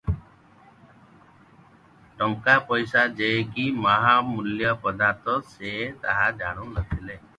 ଟଙ୍କା ପଇସା ଯେ କି ମହାମୂଲ୍ୟ ପଦାର୍ଥ, ସେ ତାହା ଜାଣୁ ନ ଥିଲେ ।